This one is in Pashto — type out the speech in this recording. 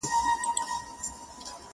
څوک یې درې څوک یې څلور ځله لوستلي!.